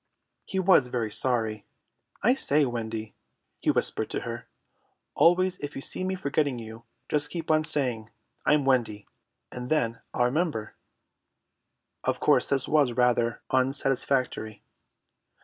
He was very sorry. "I say, Wendy," he whispered to her, "always if you see me forgetting you, just keep on saying 'I'm Wendy,' and then I'll remember." Of course this was rather unsatisfactory.